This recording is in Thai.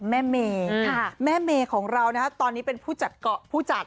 แม่เมแม่เมของเราตอนนี้เป็นผู้จัด